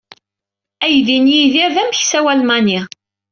Aydi n Yidir d ameksaw almani.